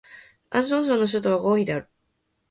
安徽省の省都は合肥である